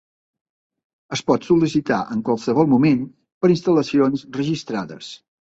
Es pot sol·licitar en qualsevol moment per a instal·lacions registrades.